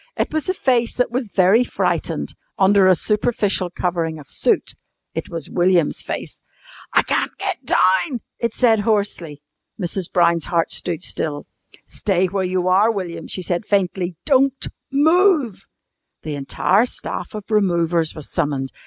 It was a face that was very frightened, under a superficial covering of soot. It was William's face. "I can't get down," it said hoarsely. Mrs. Brown's heart stood still. "Stay where you are, William," she said faintly. "Don't move." The entire staff of removers was summoned.